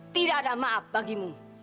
tidak ada maaf bagimu